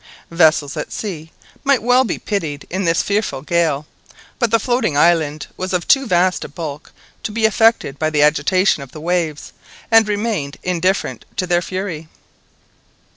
Vessels at sea might well be pitied in this fearful gale, but the floating island was of too vast a bulk to be affected by the agitation of the waves, and remained indifferent to their fury.